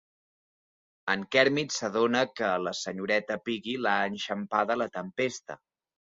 En Kermit s'adona que a la senyoreta Piggy l'ha enxampada la tempesta.